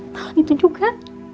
malah itu juga